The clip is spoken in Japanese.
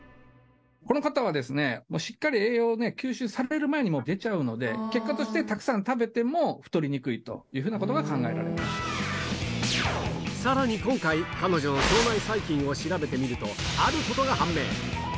この方はですね、しっかり栄養を吸収される前に出ちゃうので、結果としてたくさん食べても太りにくいというふうなことが考えらさらに今回、彼女の腸内細菌を調べてみると、あることが判明。